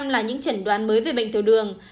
một mươi hai là những chuyển đoán mới về bệnh tiểu đường